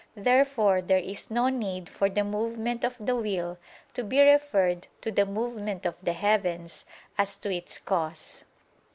Therefore there is no need for the movement of the will to be referred to the movement of the heavens, as to its cause.